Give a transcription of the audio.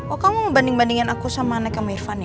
oh kamu mau banding bandingin aku sama anaknya om irfan ya